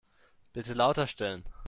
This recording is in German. Bitte lauter stellen.